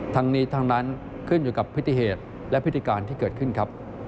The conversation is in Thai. ทั้งนี้ทั้งนั้นขึ้นอยู่กับพฤติเหตุและพฤติการที่เกิดขึ้นครับ